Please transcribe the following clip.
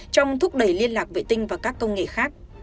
trong thúc đẩy liên lạc vệ tinh và các công nghệ khác